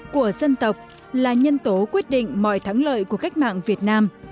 của dân tộc là nhân tố quyết định mọi thắng lợi của cách mạng việt nam